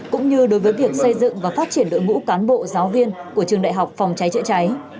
cũng như đối với việc xây dựng và phát triển đội ngũ cán bộ giáo viên của trường đại học phòng cháy chữa cháy